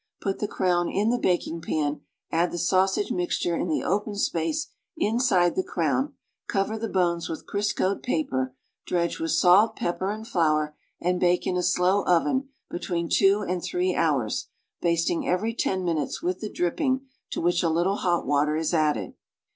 Put the crown in the baking pan, and the sausage mixture in the open space inside the crown; cover the bones with Criscoed paper, dredge with salt, pepper, and flour and bake in a slow oven between two and three hours, basting every ten minutes with the dripping to which a little hot water is added.